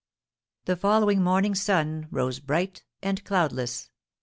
The following morning's sun rose bright and cloudless.